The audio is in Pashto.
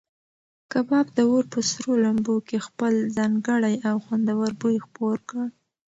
کباب د اور په سرو لمبو کې خپل ځانګړی او خوندور بوی خپور کړ.